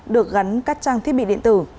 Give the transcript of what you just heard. được gắn các trang thiết bị điện tử